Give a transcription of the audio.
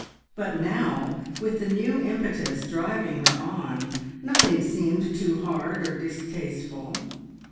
But now, with the new impetus driving her on, nothing seemed too hard or distasteful.